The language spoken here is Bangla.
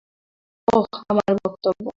ওহ, আমার বক্তব্য!